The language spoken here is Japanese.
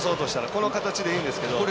この形でいいんですけど。